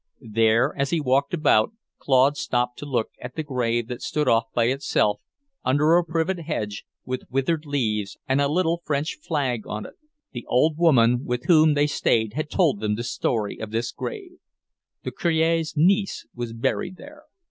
There, as he walked about, Claude stopped to look at a grave that stood off by itself, under a privet hedge, with withered leaves and a little French flag on it. The old woman with whom they stayed had told them the story of this grave. The Cure's niece was buried there.